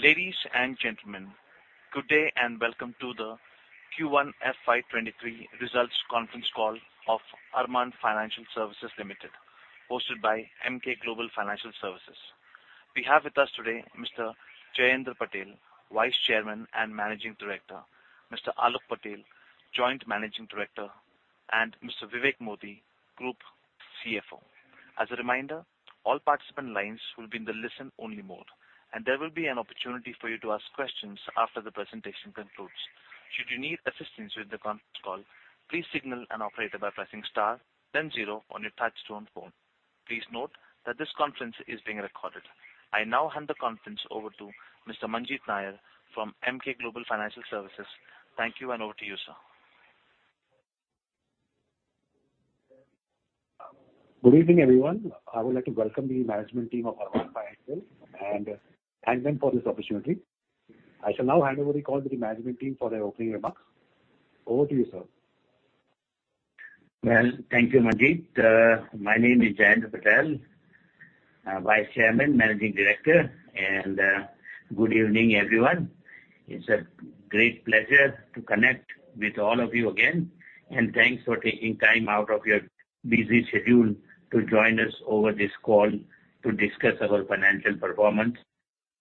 Ladies and gentlemen, good day and welcome to the Q1 FY 2023 results conference call of Arman Financial Services Limited, hosted by Emkay Global Financial Services. We have with us today Mr. Jayendra Patel, Vice Chairman and Managing Director, Mr. Aalok Patel, Joint Managing Director, and Mr. Vivek Modi, Group Chief Financial Officer. As a reminder, all participant lines will be in the listen-only mode, and there will be an opportunity for you to ask questions after the presentation concludes. Should you need assistance with the conference call, please signal an operator by pressing star then zero on your touchtone phone. Please note that this conference is being recorded. I now hand the conference over to Mr. Manjeet Nair from Emkay Global Financial Services. Thank you, and over to you, sir. Good evening, everyone. I would like to welcome the management team of Arman Financial and thank them for this opportunity. I shall now hand over the call to the management team for their opening remarks. Over to you, sir. Well, thank you, Manjeet. My name is Jayendra Patel, Vice Chairman, Managing Director, and good evening, everyone. It's a great pleasure to connect with all of you again, and thanks for taking time out of your busy schedule to join us over this call to discuss our financial performance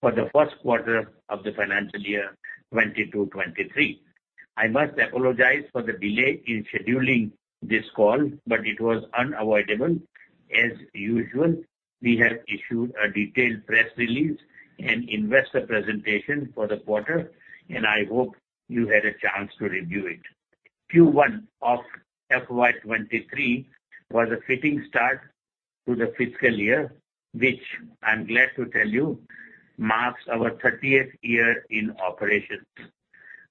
for the first quarter of the financial year 2022, 2023. I must apologize for the delay in scheduling this call, but it was unavoidable. As usual, we have issued a detailed press release and investor presentation for the quarter, and I hope you had a chance to review it. Q1 of FY 2023 was a fitting start to the fiscal year, which I'm glad to tell you marks our 30-year in operation.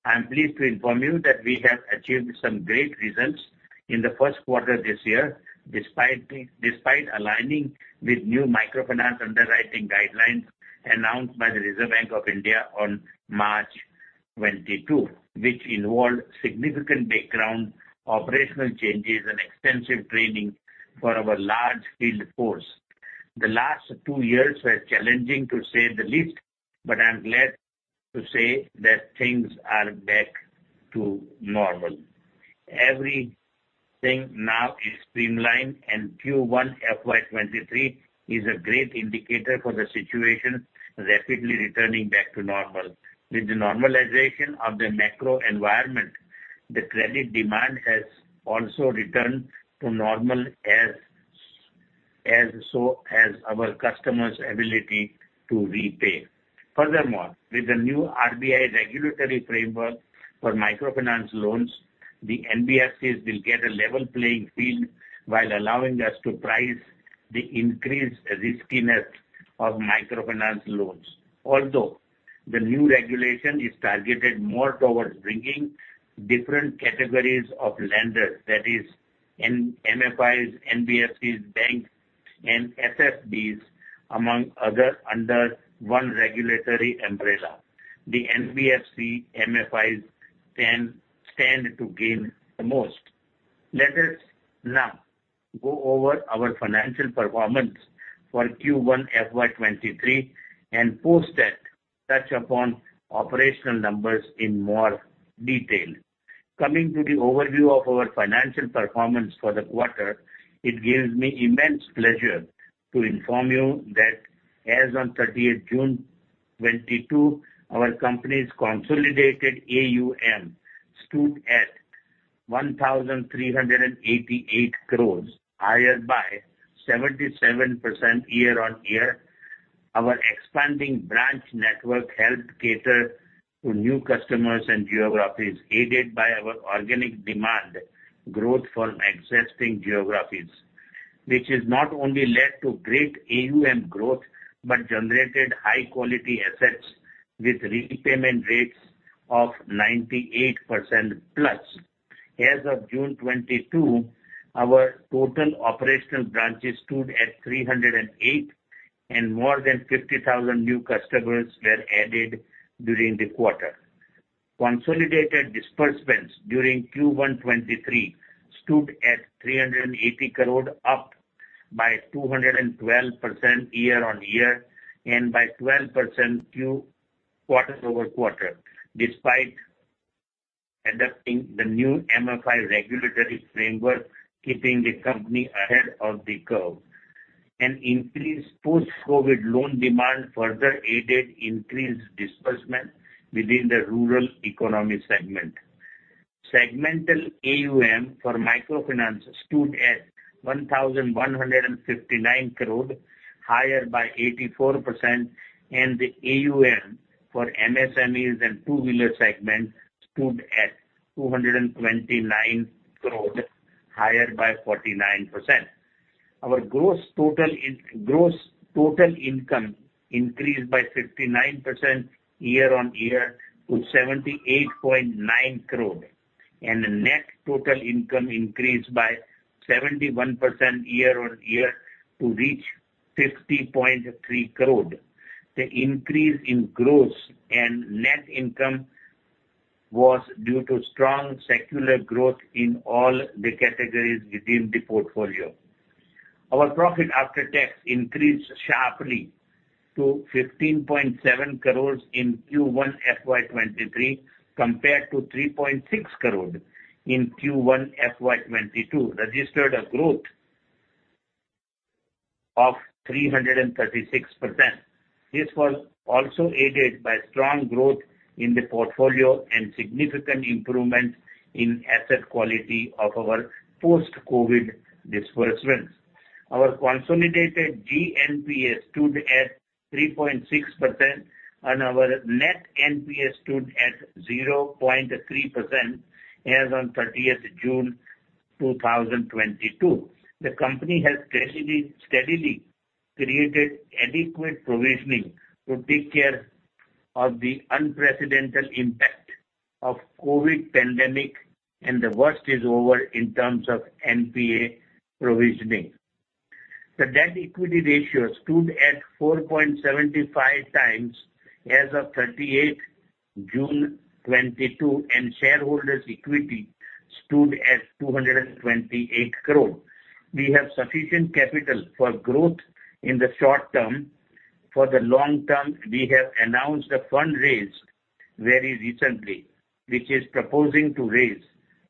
I am pleased to inform you that we have achieved some great results in the first quarter this year despite aligning with new microfinance underwriting guidelines announced by the Reserve Bank of India on March 22nd, which involved significant background operational changes and extensive training for our large field force. The last two years were challenging, to say the least, but I'm glad to say that things are back to normal. Everything now is streamlined, and Q1 FY 2023 is a great indicator for the situation rapidly returning back to normal. With the normalization of the macro environment, the credit demand has also returned to normal as has our customers' ability to repay. Furthermore, with the new RBI regulatory framework for microfinance loans, the NBFCs will get a level playing field while allowing us to price the increased riskiness of microfinance loans. Although the new regulation is targeted more towards bringing different categories of lenders, that is M-MFIs, NBFCs, banks, and SFBs among others under one regulatory umbrella. The NBFC-MFIs stand to gain the most. Let us now go over our financial performance for Q1 FY 2023 and post that touch upon operational numbers in more detail. Coming to the overview of our financial performance for the quarter, it gives me immense pleasure to inform you that as on June 30th, 2022, our company's consolidated AUM stood at 1,388 crores, higher by 77% year-on-year. Our expanding branch network helped cater to new customers and geographies, aided by our organic demand growth from existing geographies, which has not only led to great AUM growth but generated high-quality assets with repayment rates of 98%+. As of June 22th, our total operational branches stood at 308 operational branches, and more than 50,000 new customers were added during the quarter. Consolidated disbursements during Q1 2023 stood at 380 crore, up by 212% year on year and by 12% quarter-over-quarter, despite adopting the new MFI regulatory framework, keeping the company ahead of the curve. An increased post-COVID loan demand further aided increased disbursement within the rural economy segment. Segmental AUM for microfinance stood at 1,159 crore, higher by 84%, and the AUM for MSMEs and two-wheeler segment stood at 229 crore, higher by 49%. Our gross total income increased by 59% year-over-year to 78.9 crore, and the net total income increased by 71% year-over-year to reach 50.3 crore. The increase in gross and net income was due to strong secular growth in all the categories within the portfolio. Our profit after tax increased sharply to 15.7 crores in Q1 FY 2023 compared to 3.6 crore in Q1 FY 2022, registered a growth of 336%. This was also aided by strong growth in the portfolio and significant improvement in asset quality of our post-COVID disbursements. Our consolidated GNPA stood at 3.6% and our net NPA stood at 0.3% as on thirtieth June 2022. The company has steadily created adequate provisioning to take care of the unprecedented impact of COVID pandemic, and the worst is over in terms of NPA provisioning. The debt equity ratio stood at 4.75x as of June 30th, 2022, and shareholders' equity stood at 228 crore. We have sufficient capital for growth in the short term. For the long term, we have announced a fund raise very recently, which is proposing to raise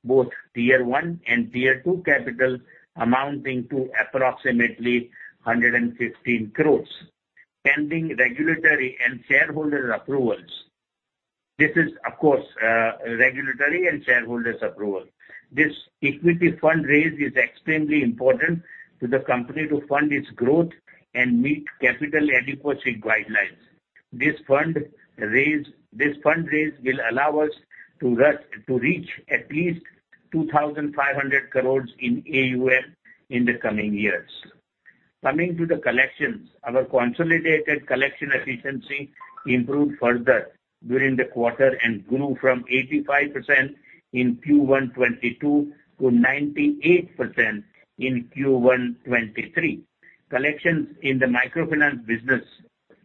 both tier one and tier two capital amounting to approximately 115 crore, pending regulatory and shareholder approvals. This is, of course, regulatory and shareholders approval. This equity fund raise is extremely important to the company to fund its growth and meet capital adequacy guidelines. This fund raise will allow us to rest. to reach at least 2,500 crores in AUM in the coming years. Coming to the collections, our consolidated collection efficiency improved further during the quarter and grew from 85% in Q1 2022 to 98% in Q1 2023. Collections in the microfinance business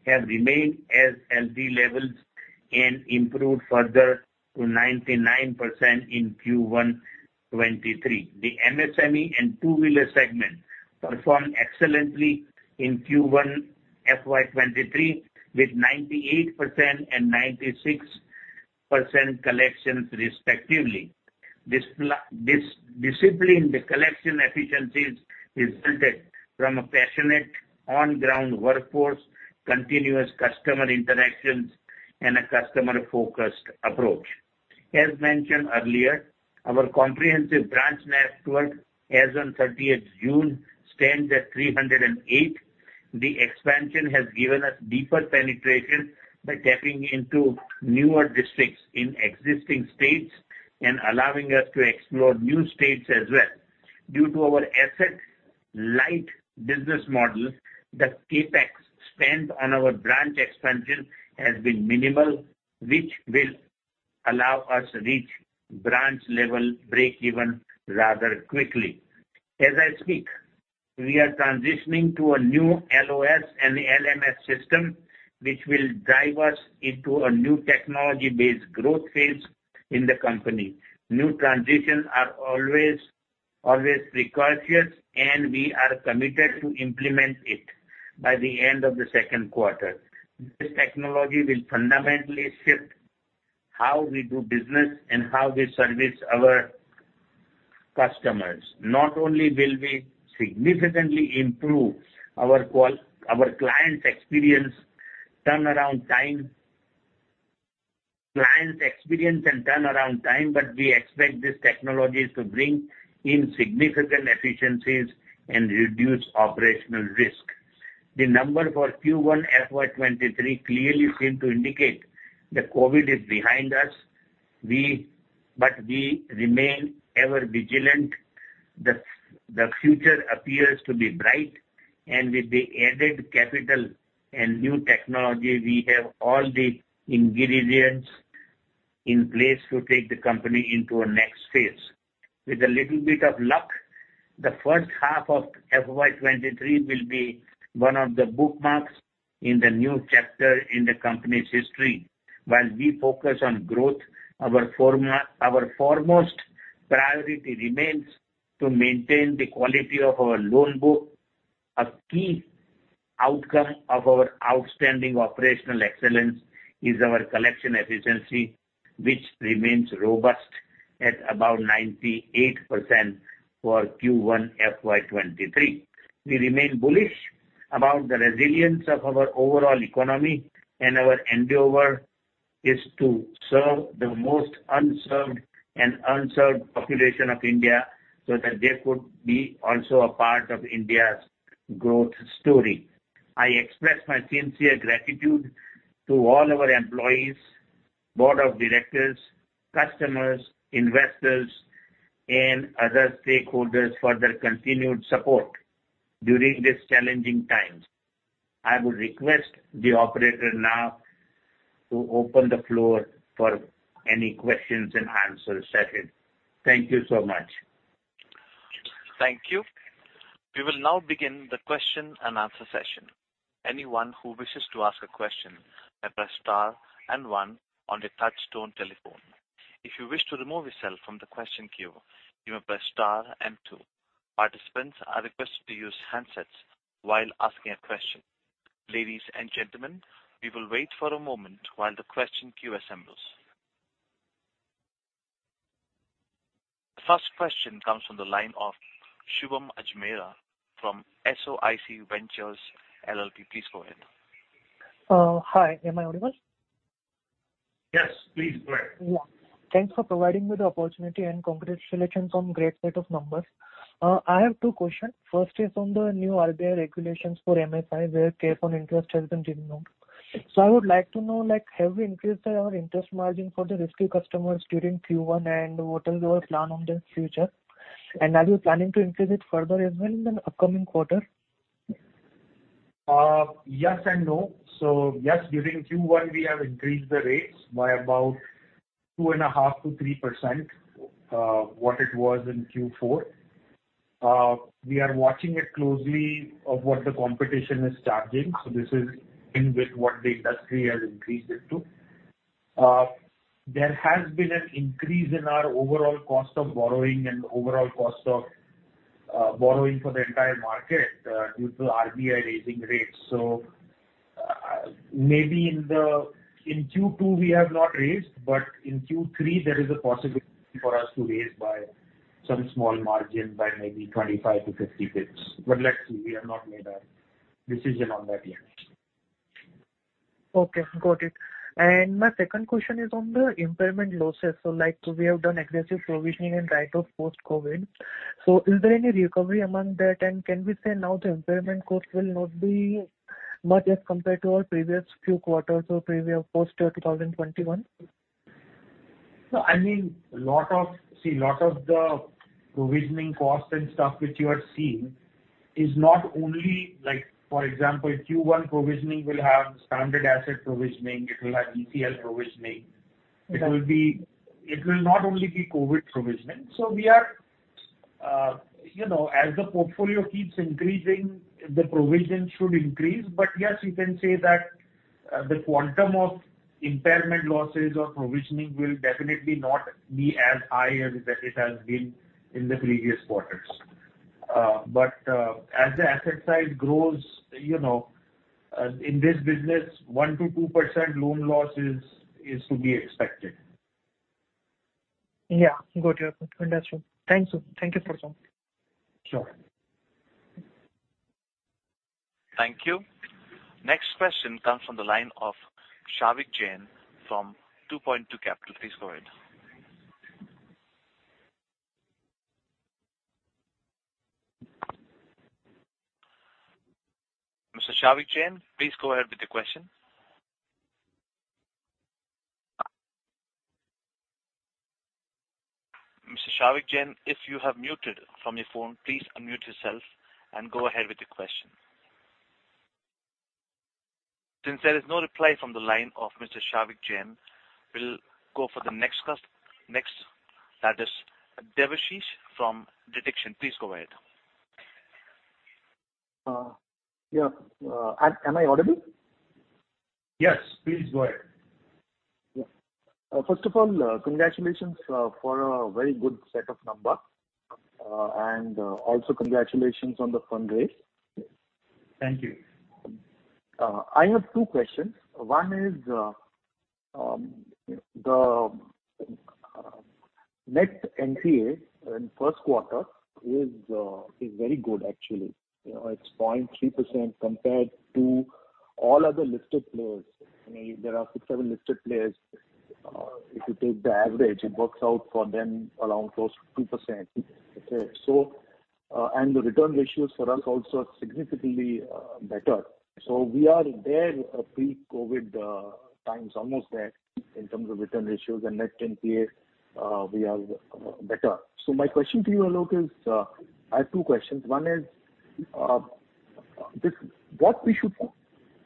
have remained at healthy levels and improved further to 99% in Q1 2023. The MSME and two-wheeler segment performed excellently in Q1 FY 2023, with 98% and 96% collections respectively. This discipline, the collection efficiencies resulted from a passionate on-ground workforce, continuous customer interactions, and a customer-focused approach. As mentioned earlier, our comprehensive branch network as on June 30th stands at 308. The expansion has given us deeper penetration by tapping into newer districts in existing states and allowing us to explore new states as well. Due to our asset-light business model, the CapEx spent on our branch expansion has been minimal, which will allow us reach branch level breakeven rather quickly. As I speak, we are transitioning to a new LOS and LMS system, which will drive us into a new technology-based growth phase in the company. New transitions are always precautionary, and we are committed to implement it by the end of the second quarter. This technology will fundamentally shift how we do business and how we service our customers. Not only will we significantly improve our clients' experience and turnaround time, but we expect these technologies to bring in significant efficiencies and reduce operational risk. The number for Q1 FY 2023 clearly seem to indicate that COVID is behind us. But we remain ever vigilant. The future appears to be bright, and with the added capital and new technology, we have all the ingredients in place to take the company into a next phase. With a little bit of luck, the first half of FY 2023 will be one of the bookmarks in the new chapter in the company's history. While we focus on growth, our foremost priority remains to maintain the quality of our loan book. A key outcome of our outstanding operational excellence is our collection efficiency, which remains robust at about 98% for Q1 FY 2023. We remain bullish about the resilience of our overall economy, and our endeavor is to serve the most unserved population of India, so that they could be also a part of India's growth story. I express my sincere gratitude to all our employees, board of directors, customers, investors, and other stakeholders for their continued support during these challenging times. I would request the operator now to open the floor for any questions and answer session. Thank you so much. Thank you. We will now begin the question and answer session. Anyone who wishes to ask a question may press star and one on your touchtone telephone. If you wish to remove yourself from the question queue, you may press star and two. Participants are requested to use handsets while asking a question. Ladies and gentlemen, we will wait for a moment while the question queue assembles. First question comes from the line of Shubham Ajmera from SOIC Ventures LLP. Please go ahead. Hi. Am I audible? Yes, please go ahead. Yeah. Thanks for providing me the opportunity, and congratulations on great set of numbers. I have two questions. First is on the new RBI regulations for MFI where cap on interest has been removed. I would like to know, like, have you increased our interest margin for the risky customers during Q1, and what is your plan on the future? Are you planning to increase it further as well in the upcoming quarter? Yes and no. Yes, during Q1 we have increased the rates by about 2.5%-3% what it was in Q4. We are watching closely what the competition is charging, so this is in line with what the industry has increased it to. There has been an increase in our overall cost of borrowing and overall cost of borrowing for the entire market, due to RBI raising rates. Maybe in Q2 we have not raised, but in Q3 there is a possibility for us to raise by some small margin, maybe 25 basis points-50 basis points. Let's see. We have not made a decision on that yet. Okay, got it. My second question is on the impairment losses. Like we have done aggressive provisioning in light of post-COVID. Is there any recovery among that? Can we say now the impairment cost will not be much as compared to our previous few quarters or previous post, 2021? No, I mean, lot of the provisioning costs and stuff which you are seeing is not only, like, for example, Q1 provisioning will have standard asset provisioning. It will have ECL provisioning. Okay. It will not only be COVID provisioning. We are, you know, as the portfolio keeps increasing, the provision should increase. Yes, you can say that the quantum of impairment losses or provisioning will definitely not be as high as that it has been in the previous quarters. As the asset side grows, you know, in this business 1%-2% loan loss is to be expected. Yeah. Got you. Understood. Thank you. Thank you for time. Sure. Thank you. Next question comes from the line of Savi Jain from 2Point2 Capital. Please go ahead. Mr. Savi Jain, please go ahead with the question. Mr. Savi Jain, if you have muted from your phone, please unmute yourself and go ahead with your question. Since there is no reply from the line of Mr. Savi Jain, we'll go for the next, that is Debashish Neogi. Please go ahead. Yeah. Am I audible? Yes, please go ahead. Yeah. First of all, congratulations for a very good set of numbers. Also congratulations on the fundraise. Thank you. I have two questions. One is the net NPA in first quarter is very good actually. You know, it's 0.3% compared to all other listed players. I mean, there are six, seven listed players. If you take the average, it works out for them around close to 2%. Okay? The return ratios for us also are significantly better. We are there pre-COVID times, almost there in terms of return ratios and net NPA, we are better. My question to you, Aalok, is this: what we should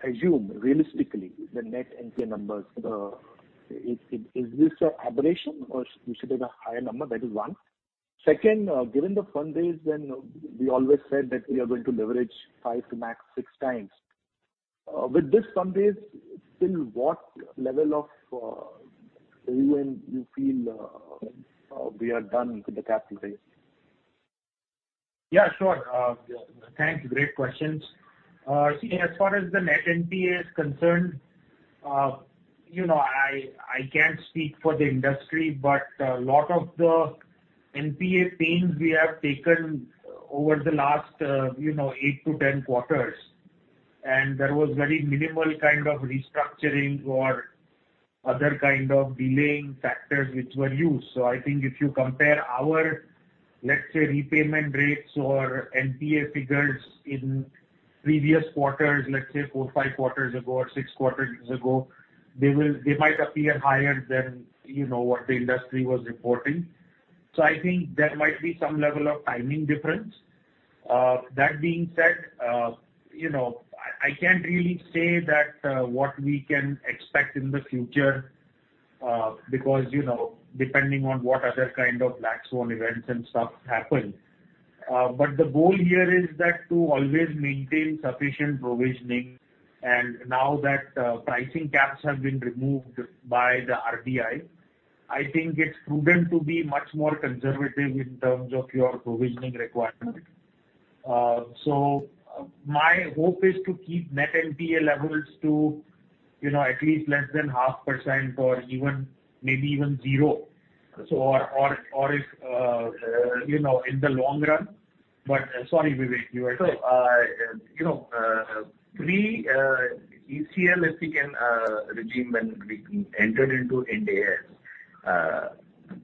assume realistically the net NPA numbers? Is this an aberration or we should take a higher number? That is one. Second, given the fundraise and we always said that we are going to leverage 5x to max 6x. With this fundraise, till what level of, you feel, we are done with the capital raise? Yeah, sure. Thank you. Great questions. See, as far as the net NPA is concerned, you know, I can't speak for the industry, but, lot of the NPA pains we have taken over the last, you know, eight quarters to 10 quarters. There was very minimal kind of restructuring or other kind of delaying factors which were used. I think if you compare our, let's say, repayment rates or NPA figures in previous quarters, let's say four, five quarters ago or six quarters ago, they will. They might appear higher than, you know, what the industry was reporting. I think there might be some level of timing difference. That being said, you know, I can't really say that what we can expect in the future, because you know, depending on what other kind of black swan events and stuff happen. The goal here is that to always maintain sufficient provisioning. Now that pricing caps have been removed by the RBI, I think it's prudent to be much more conservative in terms of your provisioning requirement. My hope is to keep net NPA levels to, you know, at least less than 0.5% or even, maybe even zero. Or if you know, in the long run. Sorry, Vivek, you were saying? You know, pre-ECL regime when we entered into India.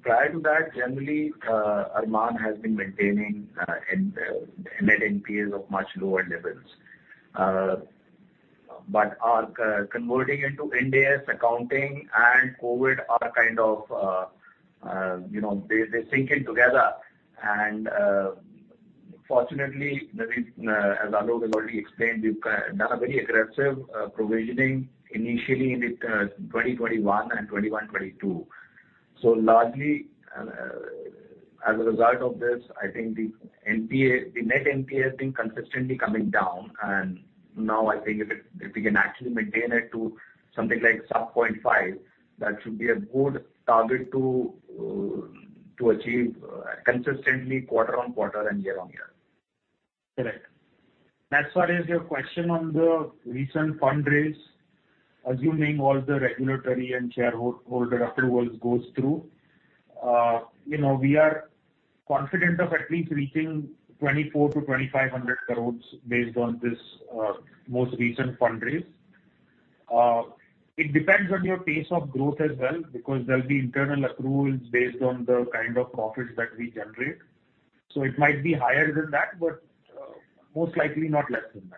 Prior to that, generally, Arman has been maintaining net NPAs of much lower levels. But our converting into Ind AS accounting and COVID are kind of, you know, they sink in together. Fortunately, maybe, as Aalok has already explained, we've done a very aggressive provisioning initially in the 2021 and 2021-2022. Largely, as a result of this, I think the NPA, the net NPA has been consistently coming down, and now I think if we can actually maintain it to something like sub 0.5%, that should be a good target to achieve consistently quarter-on-quarter and year-on-year. Correct. As far as your question on the recent fundraise, assuming all the regulatory and shareholder approvals goes through, you know, we are confident of at least reaching 2,400-2,500 crore based on this most recent fundraise. It depends on your pace of growth as well, because there'll be internal accruals based on the kind of profits that we generate. It might be higher than that, but most likely not less than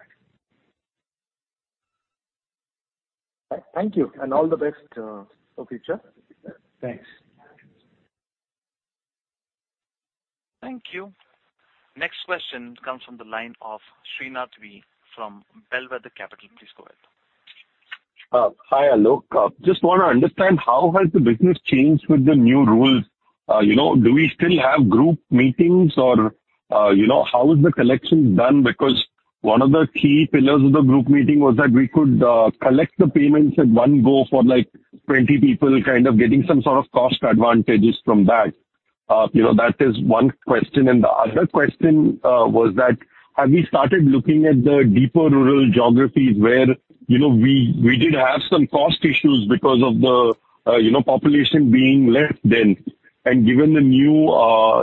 that. Thank you, and all the best, for future. Thanks. Thank you. Next question comes from the line of Srinath V. from Bellwether Capital. Please go ahead. Hi, Aalok. Just wanna understand how has the business changed with the new rules? You know, do we still have group meetings or, you know, how is the collection done? Because one of the key pillars of the group meeting was that we could collect the payments at one go for like 20 people kind of getting some sort of cost advantages from that. You know, that is one question. The other question was that have you started looking at the deeper rural geographies where, you know, we did have some cost issues because of the, you know, population being less dense. Given the new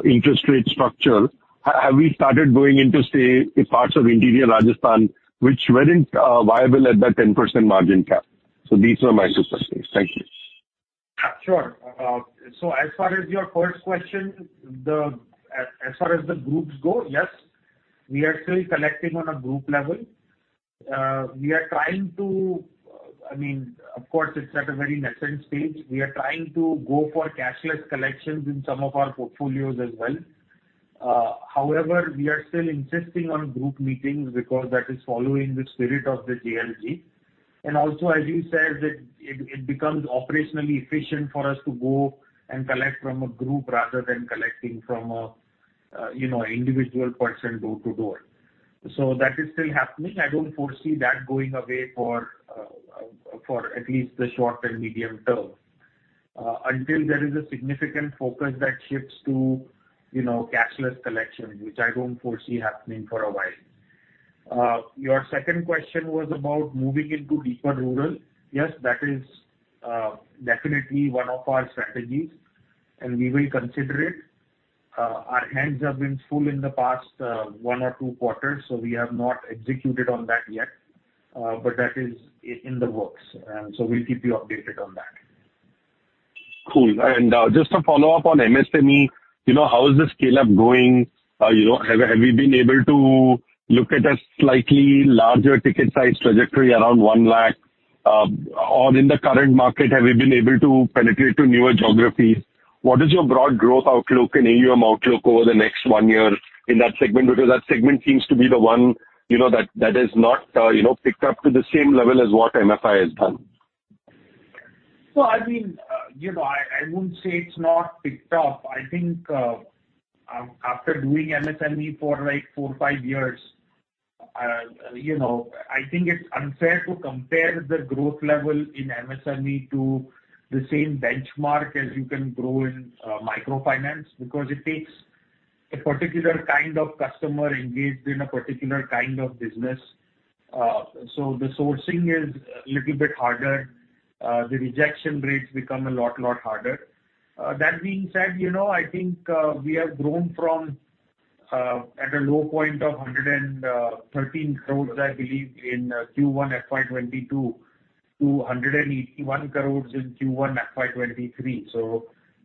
interest rate structure, have we started going into, say, parts of interior Rajasthan which weren't viable at that 10% margin cap? These are my two questions. Thank you. Sure. So as far as your first question, as far as the groups go, yes, we are still collecting on a group level. We are trying to, I mean, of course it's at a very nascent stage. We are trying to go for cashless collections in some of our portfolios as well. However, we are still insisting on group meetings because that is following the spirit of the JLG. And also, as you said, it becomes operationally efficient for us to go and collect from a group rather than collecting from a, you know, individual person door to door. That is still happening. I don't foresee that going away for at least the short and medium term, until there is a significant focus that shifts to, you know, cashless collection, which I don't foresee happening for a while. Your second question was about moving into deeper rural. Yes, that is, definitely one of our strategies, and we will consider it. Our hands have been full in the past, one or two quarters, so we have not executed on that yet, but that is in the works. We'll keep you updated on that. Cool. Just to follow up on MSME, you know, how is the scale-up going? You know, have we been able to look at a slightly larger ticket size trajectory around 1 lakh? In the current market, have we been able to penetrate to newer geographies? What is your broad growth outlook and AUM outlook over the next one year in that segment? Because that segment seems to be the one, you know, that has not, you know, picked up to the same level as what MFI has done. Well, I mean, you know, I wouldn't say it's not picked up. I think, after doing MSME for like four to five years, you know, I think it's unfair to compare the growth level in MSME to the same benchmark as you can grow in microfinance because it takes a particular kind of customer engaged in a particular kind of business. The sourcing is a little bit harder. The rejection rates become a lot harder. That being said, you know, I think we have grown from a low point of 113 crore, I believe, in Q1 FY 2022-INR 181 crore in Q1 FY 2023.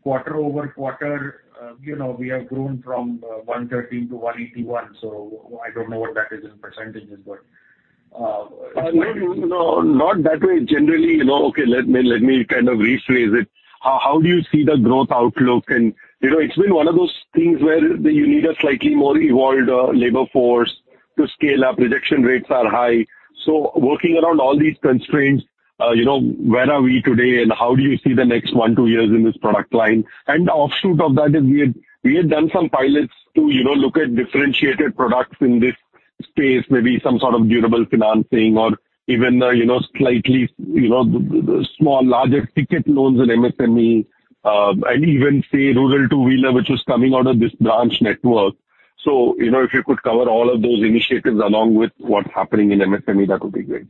Quarter-over-quarter, you know, we have grown from 113 crore-181 crore, so I don't know what that is in percentages, but No, not that way. Generally, you know, okay, let me kind of rephrase it. How do you see the growth outlook? You know, it's been one of those things where you need a slightly more evolved labor force to scale up. Rejection rates are high. Working around all these constraints, you know, where are we today and how do you see the next one, two years in this product line? Offshoot of that is we had done some pilots to, you know, look at differentiated products in this space, maybe some sort of durable financing or even, you know, slightly, you know, small, larger ticket loans in MSME, and even, say, rural two-wheeler, which was coming out of this branch network. You know, if you could cover all of those initiatives along with what's happening in MSME, that would be great.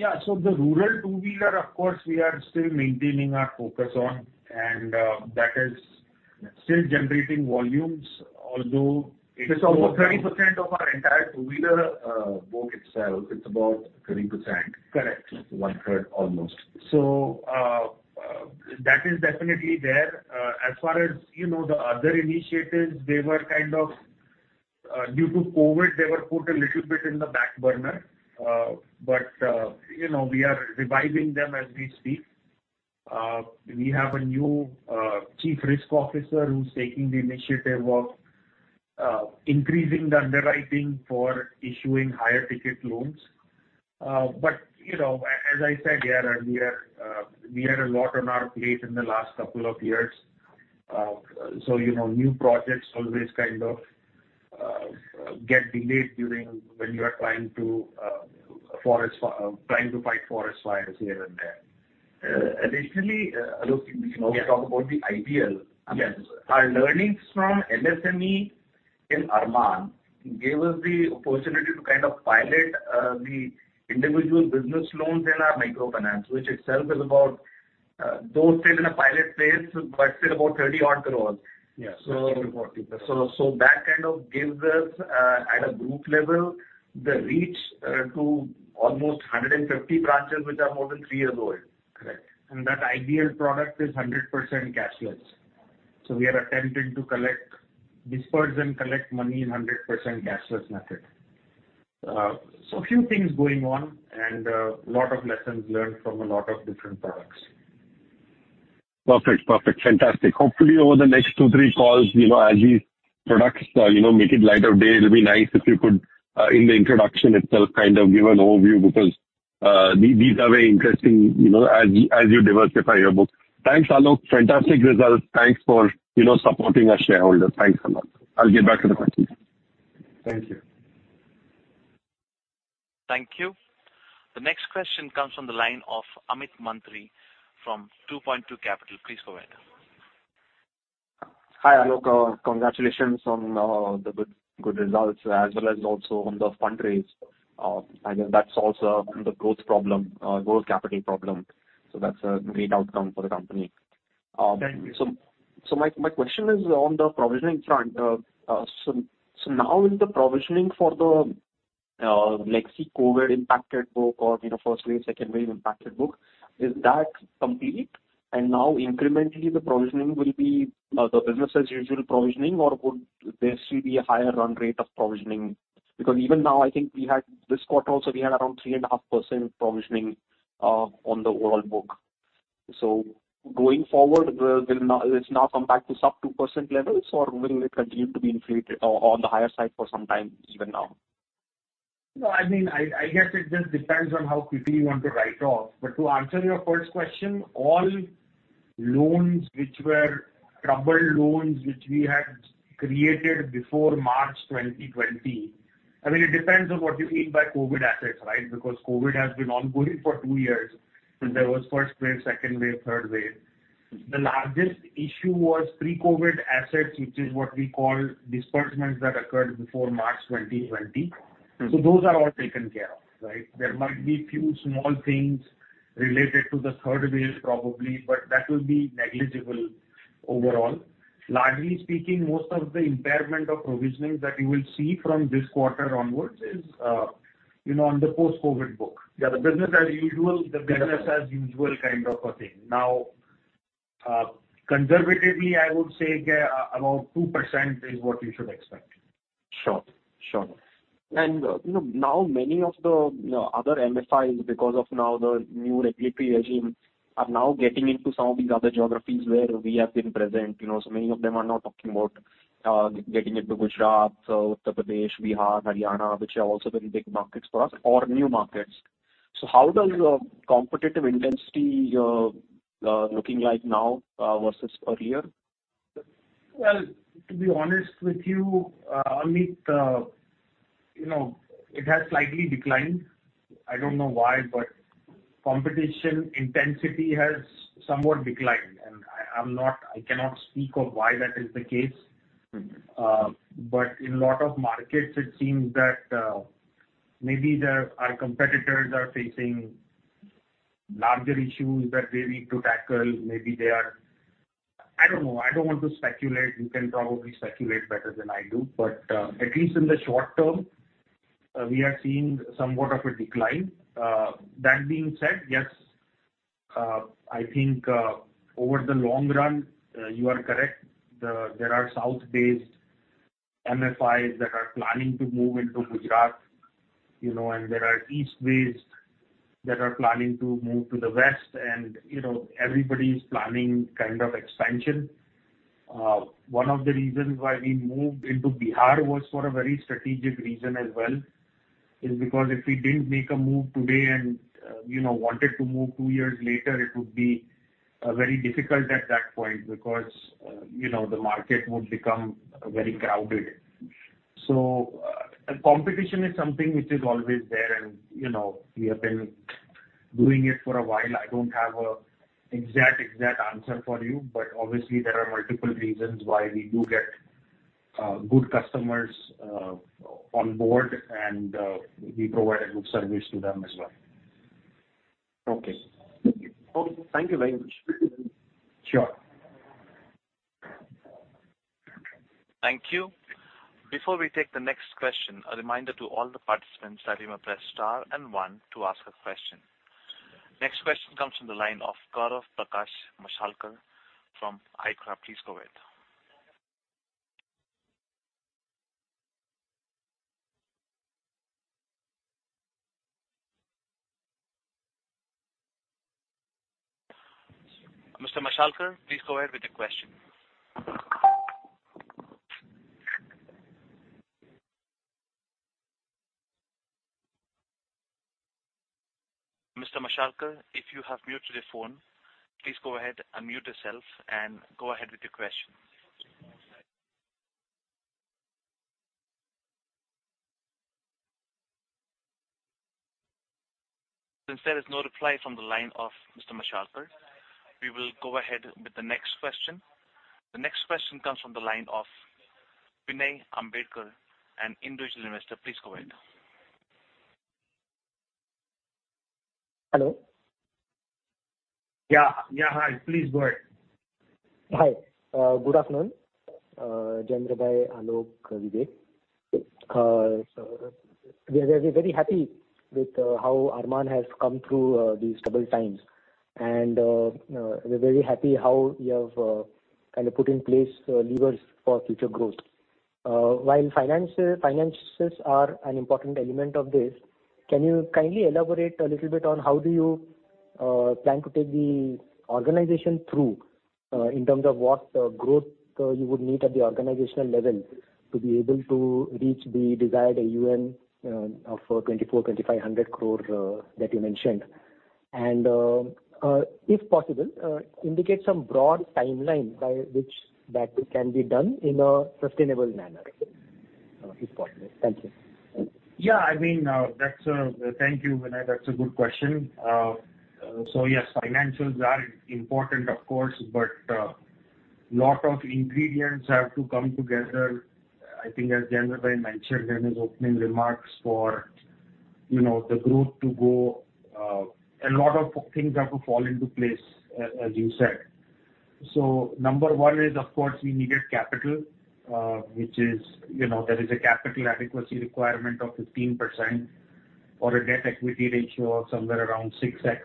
Yeah. The rural two-wheeler, of course, we are still maintaining our focus on, and that is still generating volumes, although it's It's also 30% of our entire two-wheeler book itself. It's about 30%. Correct. One-third almost. That is definitely there. As far as, you know, the other initiatives, they were kind of due to COVID, they were put a little bit on the back burner. You know, we are reviving them as we speak. We have a new chief risk officer who's taking the initiative of increasing the underwriting for issuing higher ticket loans. As I said, yeah, we had a lot on our plate in the last couple of years. You know, new projects always kind of get delayed during when you are trying to fight forest fires here and there. Additionally, Aalok. Yes. You know, talk about the IBL. Yes. Our learnings from MSME in Arman gave us the opportunity to kind of pilot the individual business loans in our microfinance, which itself is about those still in a pilot phase, but still about 30-odd crore. Yes. 30-40. That kind of gives us, at a group level, the reach to almost 150 branches, which are more than three years old. Correct. That IBL product is 100% cashless. We are attempting to disperse and collect money in 100% cashless method. A few things going on, a lot of lessons learned from a lot of different products. Perfect. Fantastic. Hopefully over the next two, three calls, you know, as these products, you know, see the light of day, it'll be nice if you could, in the introduction itself, kind of give an overview because, these are very interesting, you know, as you diversify your book. Thanks, Aalok. Fantastic results. Thanks for, you know, supporting us shareholders. Thanks a lot. I'll get back to the questions. Thank you. Thank you. The next question comes from the line of Amit Mantri from 2Point2 Capital. Please go ahead. Hi, Aalok. Congratulations on the good results as well as also on the fundraise. I know that solves the growth problem, growth capital problem, so that's a great outcome for the company. Thank you. My question is on the provisioning front. Now is the provisioning for the, let's say COVID impacted book or, you know, first wave, second wave impacted book, complete? And now incrementally the provisioning will be the business as usual provisioning or would there still be a higher run rate of provisioning? Because even now, I think we had this quarter also we had around 3.5% provisioning on the overall book. Going forward, will now it's now come back to sub-2% levels or will it continue to be inflated on the higher side for some time even now? No, I mean, I guess it just depends on how quickly you want to write off. To answer your first question, all loans which were troubled loans which we had created before March 2020, I mean, it depends on what you mean by COVID assets, right? Because COVID has been ongoing for two years. There was first wave, second wave, third wave. The largest issue was pre-COVID assets, which is what we call disbursements that occurred before March 2020. Mm-hmm. Those are all taken care of, right? There might be few small things related to the third wave probably, but that will be negligible overall. Largely speaking, most of the impairment of provisioning that you will see from this quarter onwards is, you know, on the post-COVID book. Yeah. The business as usual kind of a thing. Now, conservatively, I would say around 2% is what you should expect. Sure. Now many of the other MFIs, because now the new regulatory regime, are now getting into some of these other geographies where we have been present. You know, so many of them are now talking about getting into Gujarat, Uttar Pradesh, Bihar, Haryana, which are also very big markets for us or new markets. How does competitive intensity looking like now versus earlier? Well, to be honest with you, Amit, you know, it has slightly declined. I don't know why, but competition intensity has somewhat declined, and I cannot speak of why that is the case. Mm-hmm. In a lot of markets, it seems that maybe our competitors are facing larger issues that they need to tackle. Maybe they are. I don't know. I don't want to speculate. You can probably speculate better than I do, but at least in the short term, we are seeing somewhat of a decline. That being said, yes, I think over the long run, you are correct. There are south-based MFIs that are planning to move into Gujarat, you know, and there are east-based that are planning to move to the west and, you know, everybody's planning kind of expansion. One of the reasons why we moved into Bihar was for a very strategic reason as well, is because if we didn't make a move today and, you know, wanted to move two years later, it would be, very difficult at that point because, you know, the market would become very crowded. Competition is something which is always there and, you know, we have been doing it for a while. I don't have an exact answer for you, but obviously there are multiple reasons why we do get, good customers, on board and, we provide a good service to them as well. Okay. Thank you. Okay. Thank you very much. Sure. Thank you. Before we take the next question, a reminder to all the participants that you may press star and one to ask a question. Next question comes from the line of Gaurav Mashalkar from ICRA. Please go ahead. Mr. Mashalkar, please go ahead with your question. Mr. Mashalkar, if you have muted your phone, please go ahead, unmute yourself and go ahead with your question. Since there is no reply from the line of Mr. Mashalkar, we will go ahead with the next question. The next question comes from the line of Vinay Ambekar, an individual investor. Please go ahead. Hello. Yeah. Yeah, hi. Please go ahead. Hi. Good afternoon, Jayendra Patel, Aalok, Vivek. We're very happy with how Arman has come through these troubled times, and we're very happy how you have kind of put in place levers for future growth. While finances are an important element of this, can you kindly elaborate a little bit on how do you plan to take the organization through in terms of what growth you would need at the organizational level to be able to reach the desired AUM of 2,400 crore-2,500 crore that you mentioned? If possible, indicate some broad timeline by which that can be done in a sustainable manner, if possible. Thank you. Yeah, I mean, that's a good question. Thank you, Vinay. Yes, financials are important of course, but a lot of ingredients have to come together. I think as Jayendra Patel mentioned in his opening remarks, you know, for the growth to go, a lot of things have to fall into place, as you said. Number one is, of course, we needed capital, which is, you know, there is a capital adequacy requirement of 15% or a debt equity ratio of somewhere around 6x,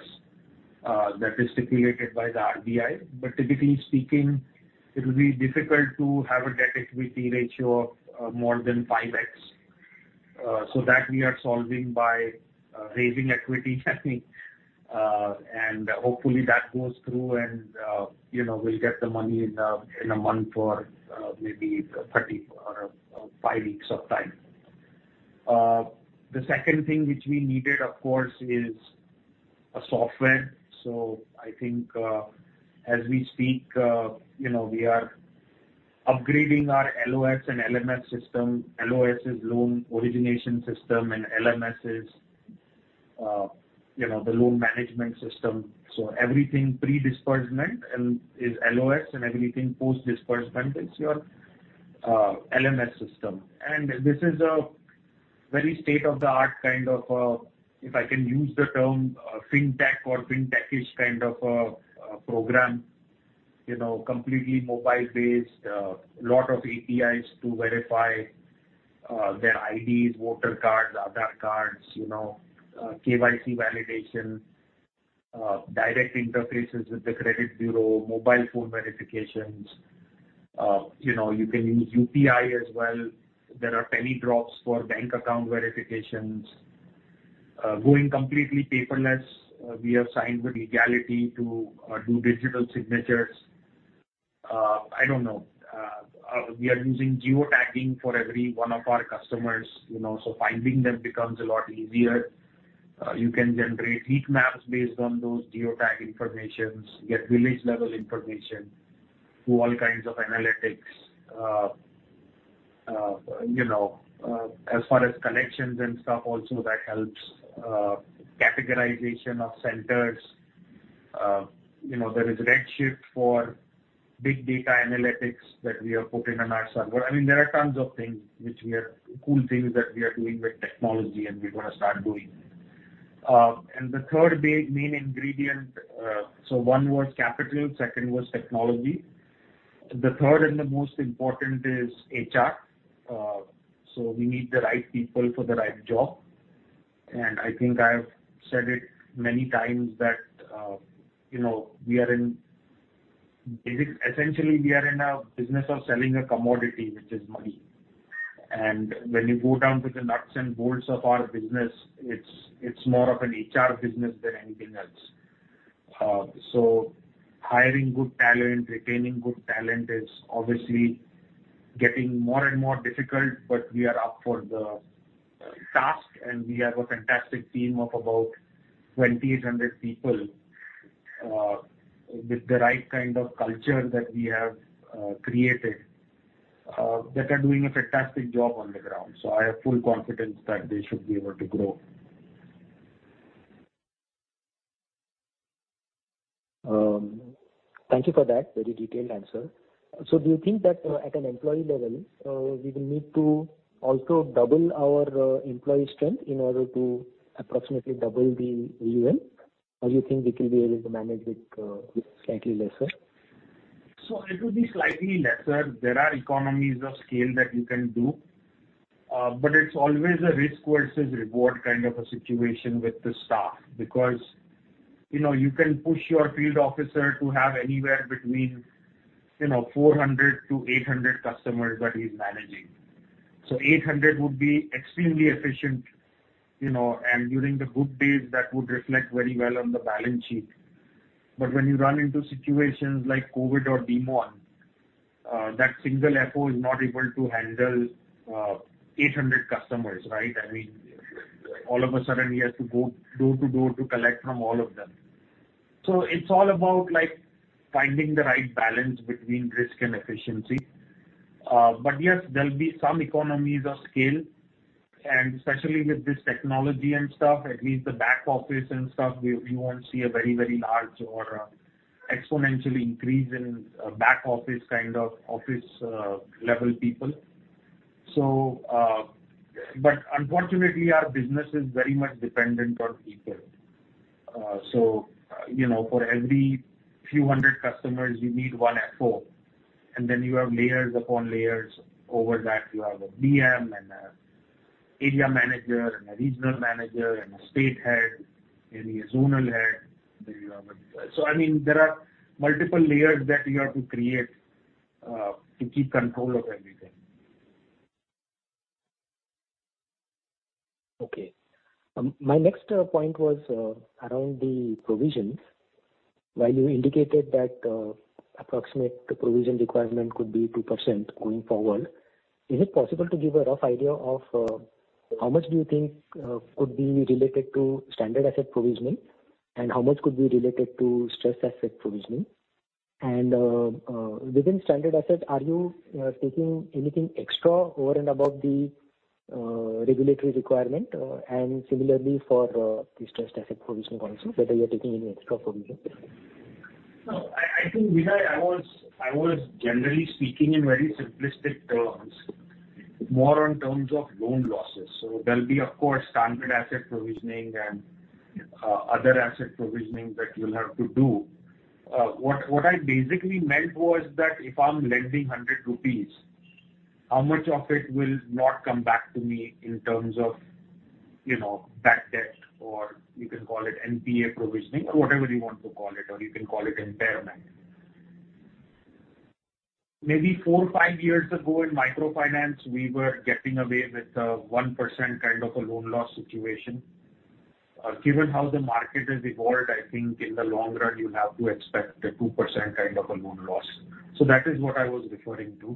that is stipulated by the RBI. Typically speaking, it will be difficult to have a debt equity ratio of more than 5x. That we are solving by raising equity, I think. Hopefully that goes through and, you know, we'll get the money in a month or five weeks of time. The second thing which we needed of course is a software. I think, as we speak, you know, we are upgrading our LOS and LMS system. LOS is Loan Origination System, and LMS is, you know, the Loan Management System. Everything pre-disbursement is LOS and everything post-disbursement is your LMS system. This is a very state-of-the-art kind of, if I can use the term, a fintech or fintech-ish kind of a program, you know, completely mobile-based, lot of APIs to verify their IDs, voter cards, Aadhaar cards, you know, KYC validation, direct interfaces with the credit bureau, mobile phone verifications. You know, you can use UPI as well. There are penny drops for bank account verifications. Going completely paperless, we have signed with Leegality to do digital signatures. I don't know. We are using geotagging for every one of our customers, you know, so finding them becomes a lot easier. You can generate heat maps based on those geotag information, get village level information, do all kinds of analytics. You know, as far as collections and stuff also that helps. Categorization of centers. You know, there is Redshift for big data analytics that we have put in on our server. I mean, there are tons of cool things that we are doing with technology and we're gonna start doing. The third big main ingredient, so one was capital, second was technology. The third and the most important is HR. We need the right people for the right job. I think I've said it many times that, you know, we are in. Essentially, we are in a business of selling a commodity, which is money. When you go down to the nuts and bolts of our business, it's more of an HR business than anything else. Hiring good talent, retaining good talent is obviously getting more and more difficult, but we are up for the task, and we have a fantastic team of about 2,800 people, with the right kind of culture that we have created, that are doing a fantastic job on the ground. I have full confidence that they should be able to grow. Thank you for that very detailed answer. Do you think that, at an employee level, we will need to also double our employee strength in order to approximately double the AUM? Or you think we can be able to manage with slightly lesser? It will be slightly lesser. There are economies of scale that you can do, but it's always a risk versus reward kind of a situation with the staff, because, you know, you can push your field officer to have anywhere between, you know, 400-800 customers that he's managing. Eight hundred would be extremely efficient, you know, and during the good days, that would reflect very well on the balance sheet. When you run into situations like COVID or demonetization, that single FO is not able to handle 800 customers, right? I mean, all of a sudden, he has to go door to door to collect from all of them. It's all about, like, finding the right balance between risk and efficiency. Yes, there'll be some economies of scale, and especially with this technology and stuff, at least the back office and stuff, we won't see a very large or exponential increase in back office kind of office level people. Unfortunately, our business is very much dependent on people. You know, for every few hundred customers, you need one FO. Then you have layers upon layers over that. You have a BM and a area manager and a regional manager and a state head, maybe a zonal head. I mean, there are multiple layers that you have to create to keep control of everything. My next point was around the provisions. While you indicated that approximate provision requirement could be 2% going forward, is it possible to give a rough idea of how much do you think could be related to standard asset provisioning, and how much could be related to stressed asset provisioning? Within standard assets, are you taking anything extra over and above the regulatory requirement? Similarly for the stressed asset provisioning also, whether you're taking any extra provision. No, I think, Vijay, I was generally speaking in very simplistic terms, more on terms of loan losses. There'll be, of course, standard asset provisioning and other asset provisioning that you'll have to do. What I basically meant was that if I'm lending 100 rupees, how much of it will not come back to me in terms of, you know, bad debt or you can call it NPA provisioning or whatever you want to call it or you can call it impairment. Maybe four to five years ago in microfinance, we were getting away with 1% kind of a loan loss situation. Given how the market has evolved, I think in the long run, you have to expect a 2% kind of a loan loss. That is what I was referring to.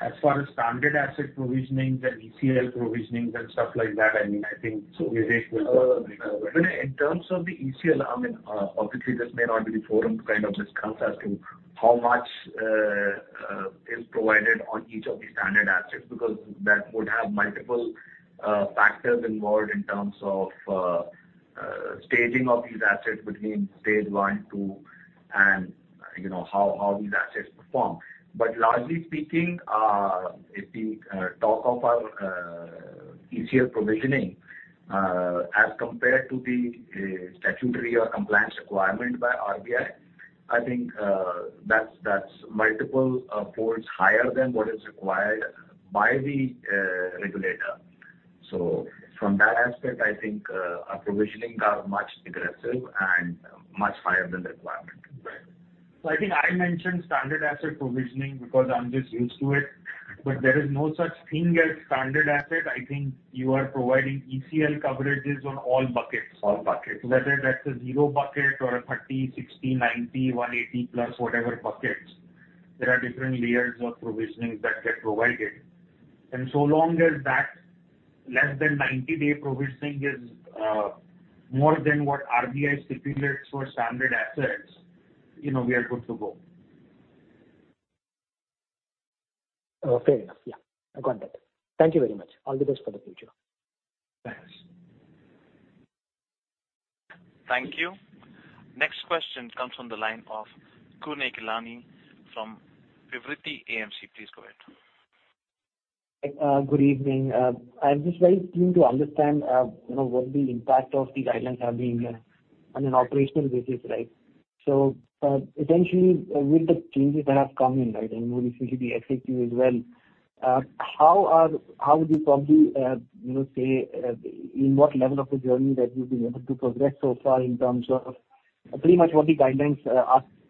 As far as standard asset provisionings and ECL provisionings and stuff like that, I mean, I think Vivek will talk about that. In terms of the ECL, I mean, obviously this may not be the forum to kind of discuss as to how much is provided on each of the standard assets, because that would have multiple factors involved in terms of staging of these assets between stage one, two, and, you know, how these assets perform. Largely speaking, if we talk of our ECL provisioning, as compared to the statutory or compliance requirement by RBI, I think, that's multiple folds higher than what is required by the regulator. From that aspect, I think, our provisioning are much aggressive and much higher than requirement. I think I mentioned standard asset provisioning because I'm just used to it. There is no such thing as standard asset. I think you are providing ECL coverages on all buckets. All buckets. Whether that's a zero bucket or a 30 buckets, 60 buckets, 90 buckets, 180+, whatever buckets, there are different layers of provisioning that get provided. As long as that less than 90-day provisioning is more than what RBI stipulates for standard assets, you know, we are good to go. Oh, fair enough. Yeah. I got that. Thank you very much. All the best for the future. Thanks. Thank you. Next question comes from the line of Kunal Hilani from Vivriti AMC. Please go ahead. Good evening. I'm just very keen to understand, you know, what the impact of the guidelines are being on an operational basis, right? So, essentially, with the changes that have come in, right, and we see the execution as well, how would you probably, you know, say, in what level of the journey that you've been able to progress so far in terms of pretty much what the guidelines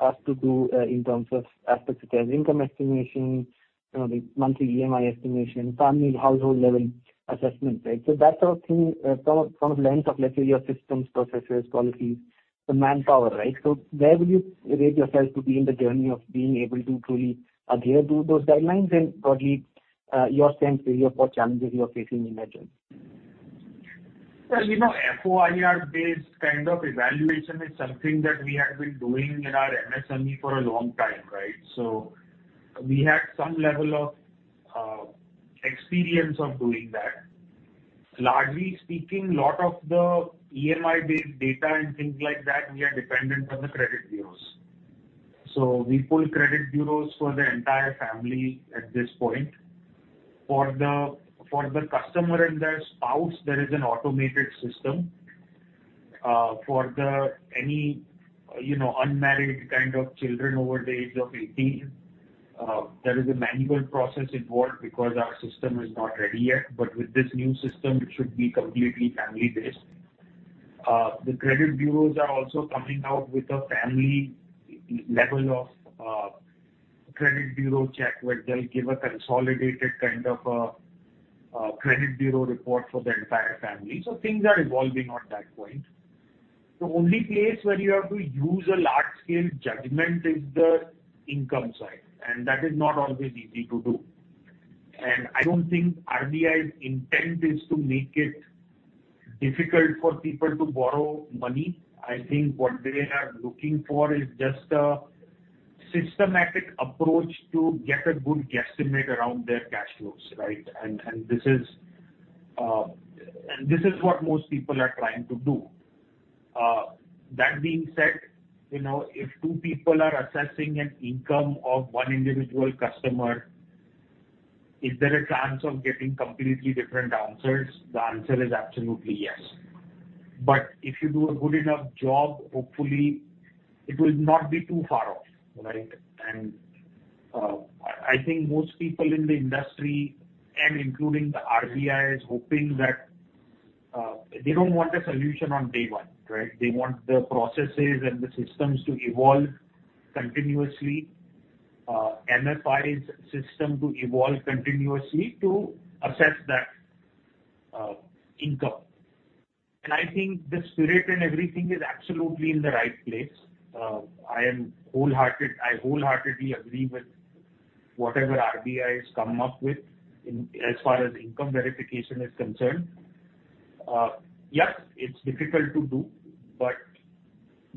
ask to do in terms of aspects such as income estimation, you know, the monthly EMI estimation, family household level assessment, right? So that sort of thing from a lens of, let's say, your systems, processes, policies, the manpower, right? Where would you rate yourselves to be in the journey of being able to truly adhere to those guidelines and broadly, your sense really of what challenges you're facing in that journey? Well, you know, FOIR-based kind of evaluation is something that we have been doing in our MSME for a long time, right? We had some level of experience of doing that. Largely speaking, lot of the EMI-based data and things like that, we are dependent on the credit bureaus. We pull credit bureaus for the entire family at this point. For the customer and their spouse, there is an automated system. For any, you know, unmarried kind of children over the age of 18, there is a manual process involved because our system is not ready yet. With this new system, it should be completely family-based. The credit bureaus are also coming out with a family level of credit bureau check, where they'll give a consolidated kind of a credit bureau report for the entire family. Things are evolving on that point. The only place where you have to use a large-scale judgment is the income side, and that is not always easy to do. I don't think RBI's intent is to make it difficult for people to borrow money. I think what they are looking for is just a systematic approach to get a good guesstimate around their cash flows, right? This is what most people are trying to do. That being said, you know, if two people are assessing an income of one individual customer, is there a chance of getting completely different answers? The answer is absolutely yes. If you do a good enough job, hopefully it will not be too far off, right? I think most people in the industry, and including the RBI, is hoping that they don't want a solution on day one, right? They want the processes and the systems to evolve continuously, MFIs system to evolve continuously to assess that income. I think the spirit in everything is absolutely in the right place. I wholeheartedly agree with whatever RBI has come up with as far as income verification is concerned. Yes, it's difficult to do, but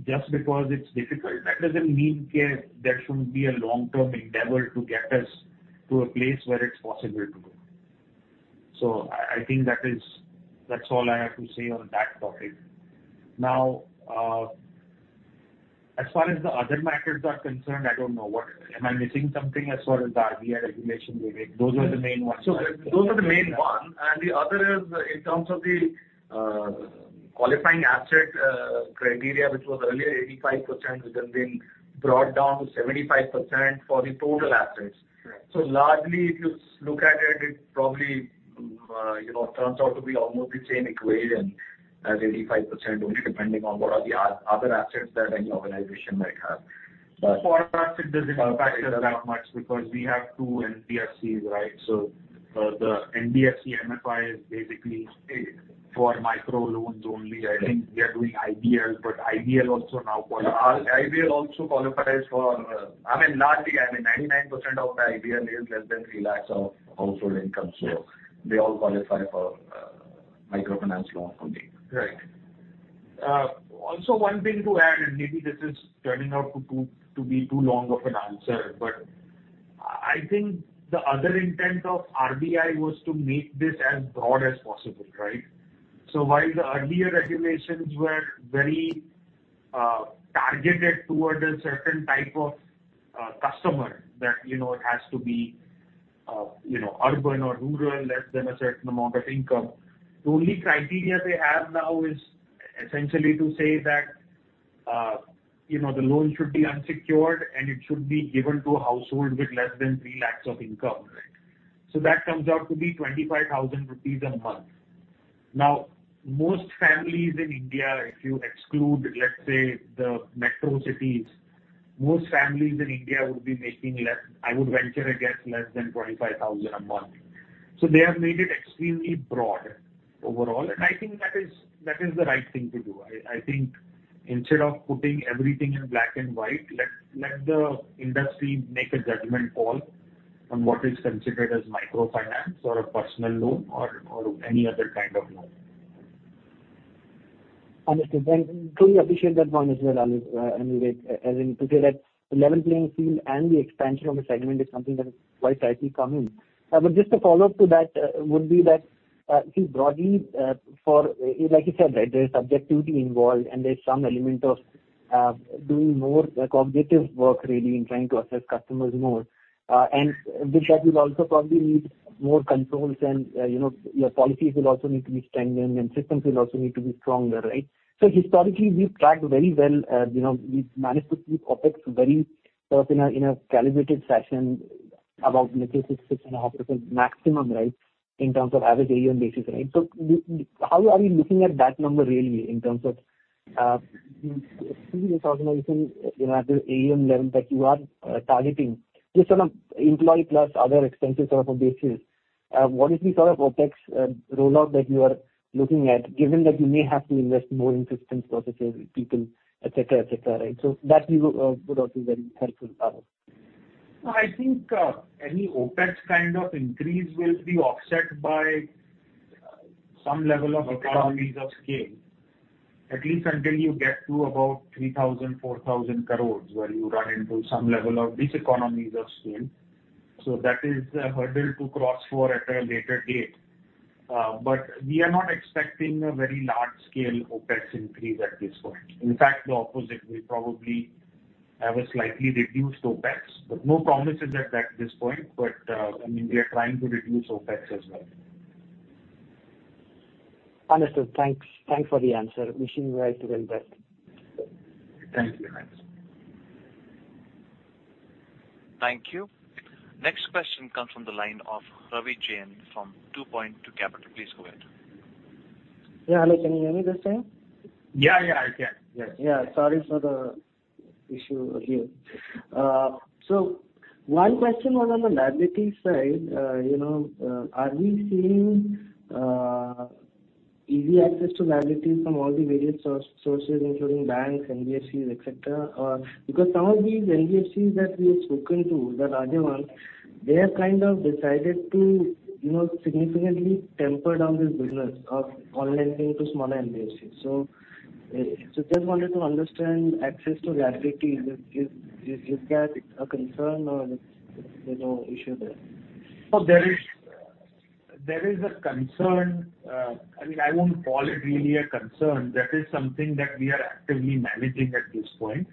just because it's difficult, that doesn't mean there shouldn't be a long-term endeavor to get us to a place where it's possible to do. I think that is, that's all I have to say on that topic. Now, as far as the other matters are concerned, I don't know. What? Am I missing something as far as the RBI regulation they make? Those are the main ones. So those- Those are the main one. The other is in terms of the qualifying asset criteria, which was earlier 85%, which has been brought down to 75% for the total assets. Right. Largely, if you look at it probably you know turns out to be almost the same equation as 85%, only depending on what are the other assets that any organization might have. For us, it doesn't factor that much because we have two NBFCs, right? The NBFC-MFI is basically for micro loans only. I think we are doing IBL, but IBL also now qualifies. IBL also qualifies for, I mean, largely, I mean, 99% of the IBL is less than 3 lakhs of household income. Yes. They all qualify for microfinance loan funding. Right. Also one thing to add, and maybe this is turning out to be too long of an answer, but I think the other intent of RBI was to make this as broad as possible, right? While the earlier regulations were very targeted toward a certain type of customer that you know has to be urban or rural, less than a certain amount of income, the only criteria they have now is essentially to say that you know the loan should be unsecured, and it should be given to a household with less than 3 lakh of income. Right. That comes out to be 25,000 rupees a month. Now, most families in India, if you exclude, let's say, the metro cities, most families in India would be making less, I would venture a guess, less than 25,000 a month. They have made it extremely broad overall, and I think that is the right thing to do. I think instead of putting everything in black and white, let the industry make a judgment call on what is considered as microfinance or a personal loan or any other kind of loan. Understood. I truly appreciate that one as well, Jayendra, as in to say that a level playing field and the expansion of the segment is something that has quite rightly come in. Just a follow-up to that would be that, see, broadly, for, like you said, right, there's subjectivity involved and there's some element of doing more like cognitive work really in trying to assess customers more. With that you'll also probably need more controls and, you know, your policies will also need to be strengthened and systems will also need to be stronger, right? Historically, we've tracked very well. You know, we've managed to keep OpEx very sort of in a calibrated fashion about, let's say, 6.5% maximum, right, in terms of average AUM basis, right? How are you looking at that number really in terms of this organization, you know, at the AUM level that you are targeting just on a employee plus other expenses sort of a basis. What is the sort of OpEx rollout that you are looking at given that you may have to invest more in systems, processes, people, et cetera, et cetera, right? That would also be very helpful, thank you. No, I think, any OpEx kind of increase will be offset by some level of. Okay. Economies of scale, at least until you get to about 3,000-4,000 crores, where you run into some level of diseconomies of scale. That is a hurdle to cross for at a later date. We are not expecting a very large scale OpEx increase at this point. In fact, the opposite, we probably have a slightly reduced OpEx, but no promises at this point. I mean, we are trying to reduce OpEx as well. Understood. Thanks. Thanks for the answer. Wishing you guys the very best. Thank you. Thank you. Next question comes from the line of Savi Jain from 2Point2 Capital. Please go ahead. Yeah. Hello, can you hear me this time? Yeah. Yeah, I can. Yes. Yeah, sorry for the issue earlier. One question was on the liability side. You know, are we seeing easy access to liabilities from all the various sources, including banks, NBFCs, et cetera? Or because some of these NBFCs that we have spoken to, the larger ones, they have kind of decided to, you know, significantly temper down this business of on-lending to smaller NBFCs. Just wanted to understand access to liability. Is that a concern or there's no issue there? No, there is a concern. I mean, I won't call it really a concern. That is something that we are actively managing at this point.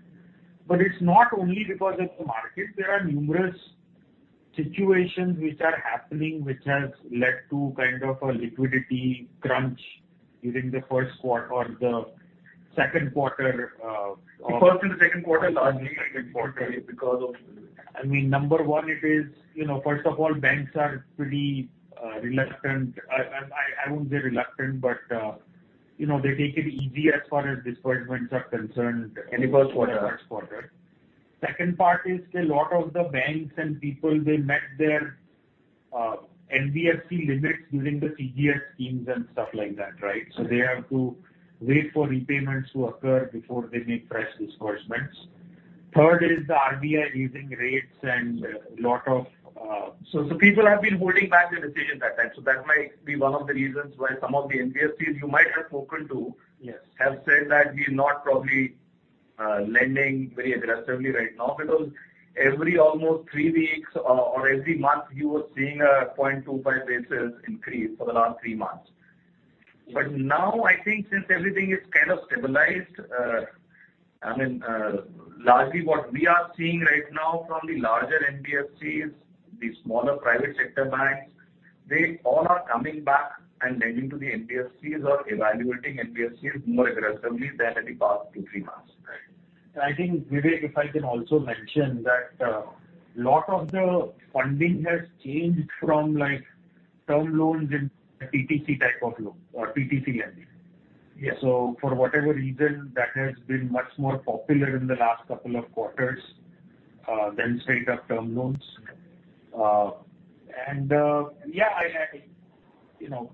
It's not only because of the market. There are numerous situations which are happening which has led to kind of a liquidity crunch during the second quarter of- First and second quarter largely, I think, quarter because of. I mean, number one, it is, you know, first of all banks are pretty reluctant. I won't say reluctant, but, you know, they take it easy as far as disbursements are concerned. In the first quarter. in the first quarter. Second part is a lot of the banks and people they met their NBFC limits during the TLTRO schemes and stuff like that, right? Yes. They have to wait for repayments to occur before they make fresh disbursements. Third is the RBI raising rates and a lot of. People have been holding back their decisions at times. That might be one of the reasons why some of the NBFCs you might have spoken to. Yes. have said that we're not probably lending very aggressively right now because almost every three weeks or every month you were seeing a 25 basis points increase for the last three months. Now I think since everything is kind of stabilized, I mean, largely what we are seeing right now from the larger NBFCs, the smaller private sector banks, they all are coming back and lending to the NBFCs or evaluating NBFCs more aggressively than in the past two, three months. Right. I think, Vivek, if I can also mention that, a lot of the funding has changed from like term loans to a PTC type of loan or PTC lending. Yes. For whatever reason, that has been much more popular in the last couple of quarters than straight up term loans. Yeah, you know,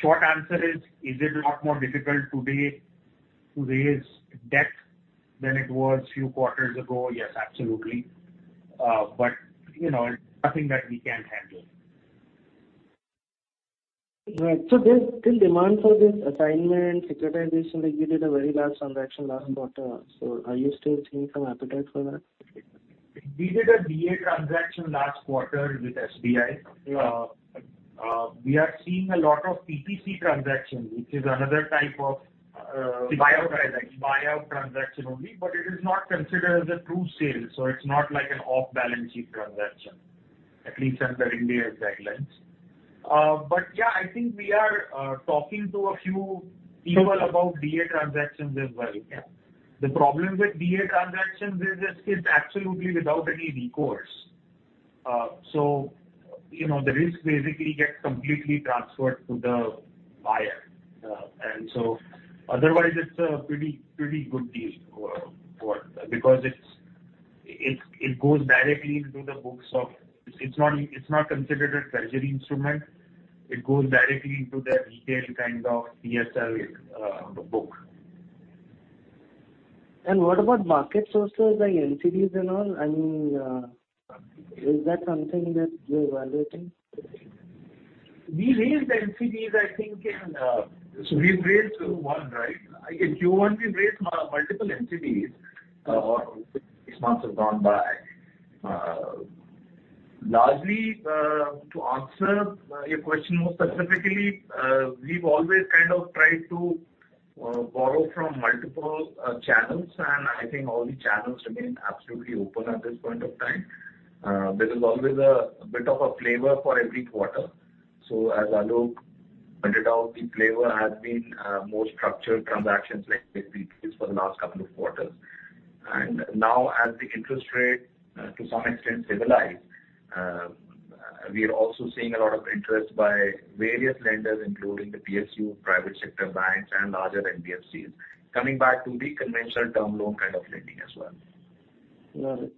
short answer is it a lot more difficult today to raise debt than it was a few quarters ago? Yes, absolutely. You know, it's nothing that we can't handle. Right. There's still demand for this assignment, securitization, like you did a very large transaction last quarter. Are you still seeing some appetite for that? We did a DA transaction last quarter with SBI. Yeah. We are seeing a lot of PTC transactions, which is another type of Buyout transaction. Buyout transaction only, but it is not considered as a true sale, so it's not like an off-balance sheet transaction, at least under India's guidelines. I think we are talking to a few people about DA transactions as well. The problem with DA transactions is it's absolutely without any recourse. You know, the risk basically gets completely transferred to the buyer. Otherwise it's a pretty good deal. Because it goes directly into the books. It's not considered a treasury instrument. It goes directly into their retail kind of PSL book. What about market sources like NCDs and all? I mean, is that something that you're evaluating? We raised NCDs, I think. We've raised one, right? In Q1 we raised multiple NCDs, six months have gone by. Largely, to answer your question more specifically, we've always kind of tried to borrow from multiple channels, and I think all the channels remain absolutely open at this point of time. There is always a bit of a flavor for every quarter. As Alok pointed out, the flavor has been more structured transactions like this for the last couple of quarters. Now as the interest rate to some extent stabilize, we are also seeing a lot of interest by various lenders, including the PSU, private sector banks and larger NBFCs coming back to the conventional term loan kind of lending as well. Got it.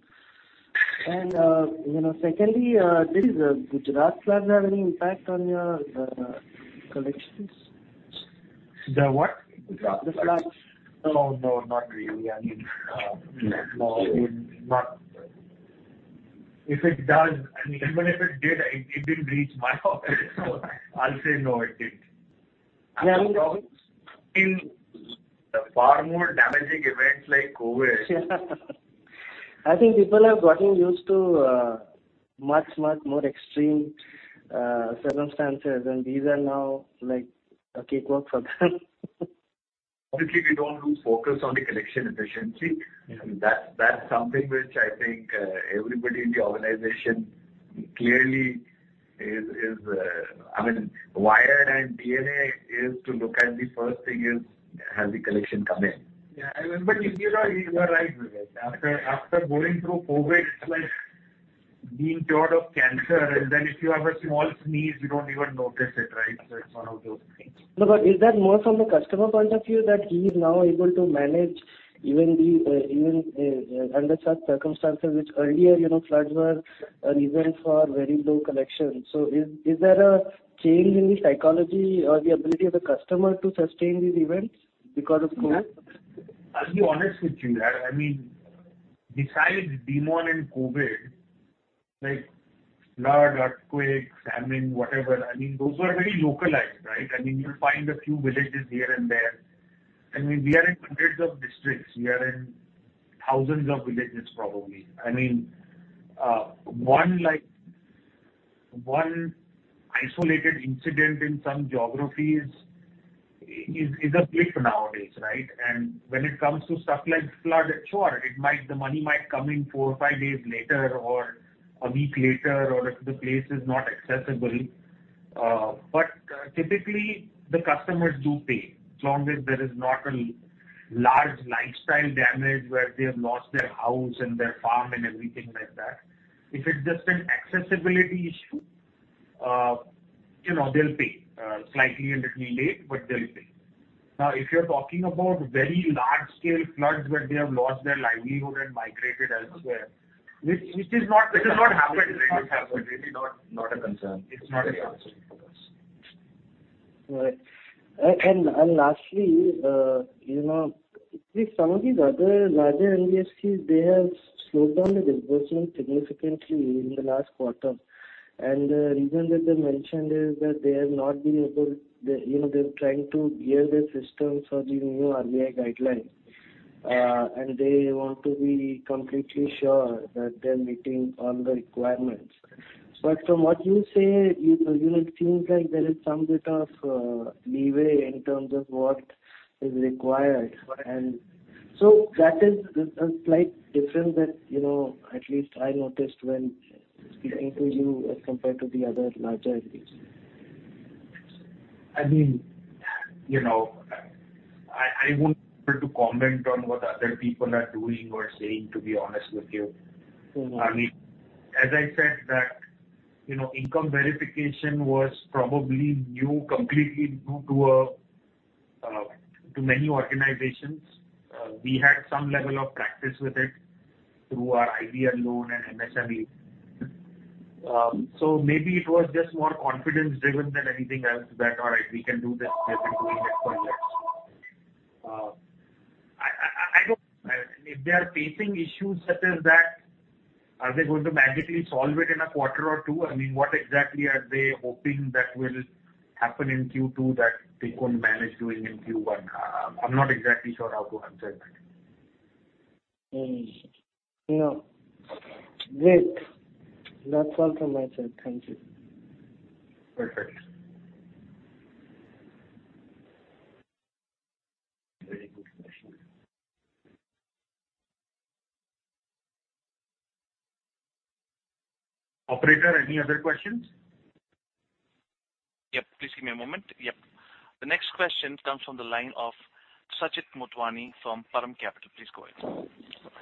You know, secondly, did the Gujarat floods have any impact on your collections? The what? The floods. No, not really. I mean, no, I mean, If it does, I mean, even if it did, it didn't reach my office. I'll say no, it didn't. Yeah, I mean. seen far more damaging events like COVID. I think people have gotten used to much, much more extreme circumstances, and these are now like a cakewalk for them. Obviously, we don't lose focus on the collection efficiency. Yeah. That's something which I think everybody in the organization clearly is, I mean, wired and DNA is to look at the first thing is, has the collection come in? Yeah. I mean, but you are right, Vivek. After going through COVID, it's like being cured of cancer and then if you have a small sneeze you don't even notice it, right? It's one of those things. Is that more from the customer point of view that he is now able to manage even under such circumstances which earlier, you know, floods were a reason for very low collection? Is there a change in the psychology or the ability of the customer to sustain these events because of COVID? I'll be honest with you. I mean, besides demonetization and COVID, like flood, earthquake, famine, whatever, I mean, those were very localized, right? I mean, you'll find a few villages here and there. I mean, we are in hundreds of districts. We are in thousands of villages probably. I mean, one isolated incident in some geographies is a blip nowadays, right? When it comes to stuff like flood, sure, the money might come in four or five days later or a week later or if the place is not accessible. But typically the customers do pay as long as there is not a large livelihood damage where they have lost their house and their farm and everything like that. If it's just an accessibility issue, you know, they'll pay slightly a little late, but they'll pay. Now if you're talking about very large scale floods where they have lost their livelihood and migrated elsewhere, which is not- This has not happened, right? This has not happened. Really not a concern. It's not a concern for us. Right. Lastly, you know, some of these other larger NBFCs, they have slowed down the disbursement significantly in the last quarter. The reason that they mentioned is that they have not been able, you know, they're trying to gear their systems for the new RBI guidelines. They want to be completely sure that they're meeting all the requirements. From what you say, you know, it seems like there is some bit of leeway in terms of what is required. That is a slight difference that, you know, at least I noticed when speaking to you as compared to the other larger entities. I mean, you know, I wouldn't be able to comment on what other people are doing or saying to be honest with you. Mm-hmm. I mean, as I said that, you know, income verification was probably new, completely new to many organizations. We had some level of practice with it through our IBL loan and MSME. So maybe it was just more confidence driven than anything else that, all right, we can do this. We have been doing it for years. I don't. If they are facing issues such as that, are they going to magically solve it in a quarter or two? I mean, what exactly are they hoping that will happen in Q2 that they couldn't manage doing in Q1? I'm not exactly sure how to answer that. You know. Great. That's all from my side. Thank you. Perfect. Very good question. Operator, any other questions? Yep. Please give me a moment. Yep. The next question comes from the line of Sachit Motwani from Param Capital. Please go ahead.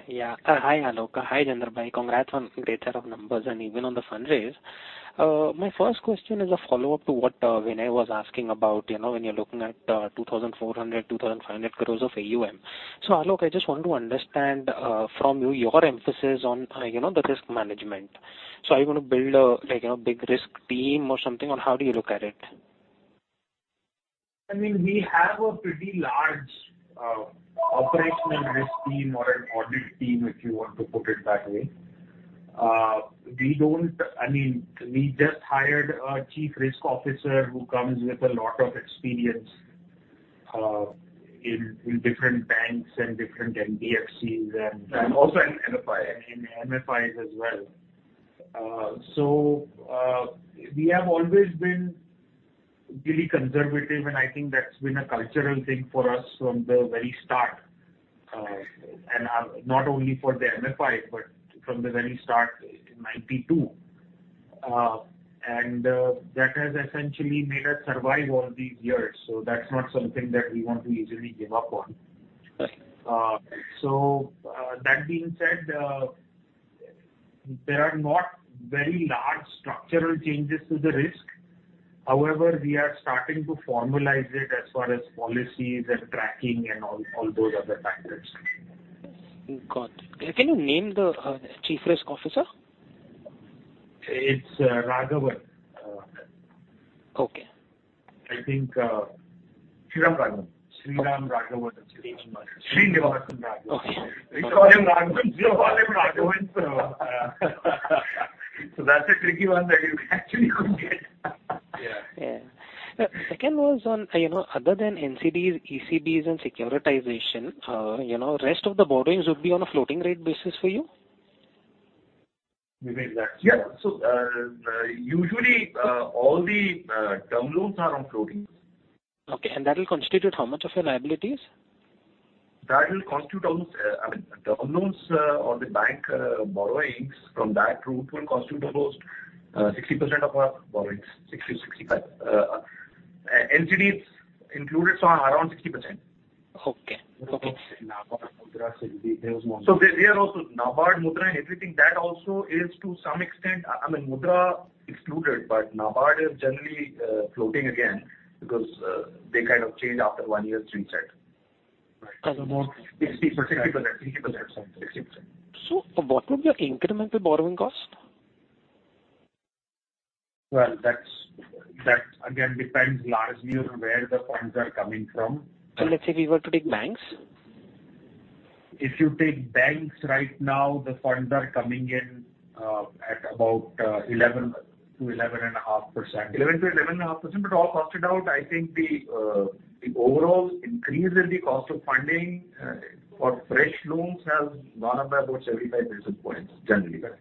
Yeah. Hi, Aalok. Hi, Jayendra Patel. Congrats on great set of numbers and even on the fundraise. My first question is a follow-up to what Vinay was asking about, you know, when you're looking at 2,400-2,500 crores of AUM. Aalok, I just want to understand from you your emphasis on, you know, the risk management. Are you gonna build a, like a big risk team or something, or how do you look at it? I mean, we have a pretty large operational risk team or an audit team, if you want to put it that way. I mean, we just hired a chief risk officer who comes with a lot of experience in different banks and different NBFCs and Also in MFIs. In MFIs as well. We have always been really conservative, and I think that's been a cultural thing for us from the very start, not only for the MFIs but from the very start in 1992. That has essentially made us survive all these years. That's not something that we want to easily give up on. Right. That being said, there are not very large structural changes to the risk. However, we are starting to formalize it as far as policies and tracking and all those other factors. Got it. Can you name the chief risk officer? It's Raghavan. Okay. I think, Srinivasa Raghavan. Srinivasa Raghavan. Srinivasa Raghavan. Okay. We call him Raghavan. We all call him Raghavan, so that's a tricky one that you actually could get. Yeah. Yeah. Second was on, you know, other than NCDs, ECBs and securitization, you know, rest of the borrowings would be on a floating rate basis for you? Yeah. Usually, all the term loans are on floating. Okay. That will constitute how much of your liabilities? That will constitute almost. I mean, term loans or bank borrowings from that route will constitute almost 60% of our borrowings, 60%-65%. NCDs included, so around 60%. Okay. Okay. NABARD, MUDRA, SIDBI. They're also NABARD, MUDRA and everything. That also is to some extent. I mean, MUDRA excluded, but NABARD is generally floating again because they kind of change after one year's reset. Right. 60%. 60%. 60%. What would be your incremental borrowing cost? Well, that again depends largely on where the funds are coming from. Let's say we were to take banks. If you take banks right now, the funds are coming in at about 11%-11.5%. 11%-11.5%, but all costed out, I think the overall increase in the cost of funding for fresh loans has gone up by about 75 basis points, generally, right.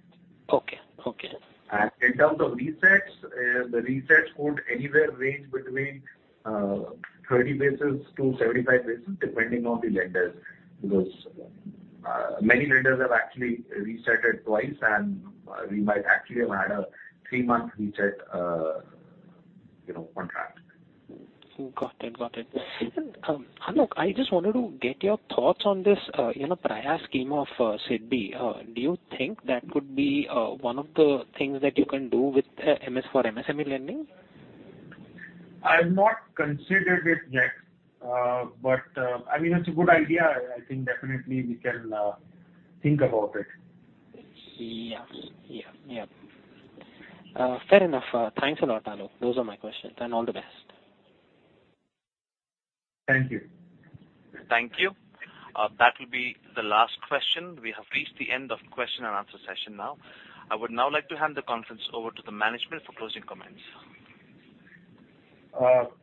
Okay. Okay. In terms of resets, the resets could anywhere range between 30 basis-75 basis, depending on the lenders. Because many lenders have actually reset it twice and we might actually have had a three-month reset, you know, contract. Got it. Aalok, I just wanted to get your thoughts on this, you know, Prayaas scheme of SIDBI. Do you think that could be one of the things that you can do with MSME for MSME lending? I've not considered it yet. I mean, it's a good idea. I think definitely we can think about it. Yes. Yeah. Fair enough. Thanks a lot, Aalok. Those are my questions, and all the best. Thank you. Thank you. That will be the last question. We have reached the end of question and answer session now. I would now like to hand the conference over to the management for closing comments.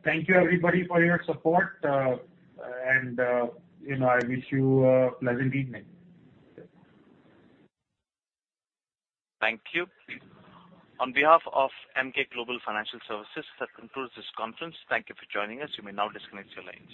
Thank you everybody for your support. You know, I wish you a pleasant evening. Thank you. On behalf of Emkay Global Financial Services, that concludes this conference. Thank you for joining us. You may now disconnect your lines.